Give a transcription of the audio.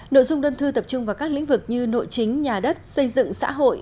nội dung đơn thư tập trung vào các lĩnh vực như nội chính nhà đất xây dựng xã hội